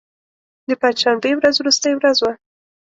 د پنج شنبې ورځ وروستۍ ورځ وه.